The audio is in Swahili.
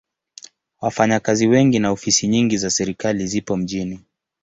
Wafanyakazi wengi na ofisi nyingi za serikali zipo mjini.